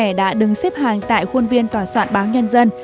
những dự án đã được xếp hàng tại khuôn viên tòa soạn báo nhân dân